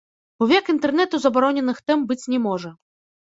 У век інтэрнэту забароненых тэм быць не можа.